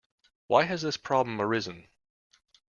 Why has this problem arisen?